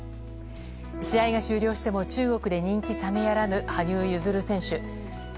試合が終了しても中国で人気冷めやらぬ羽生結弦選手。